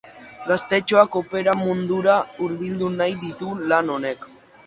Gaztetxoak opera mundura hurbildu nahi ditu lan honek.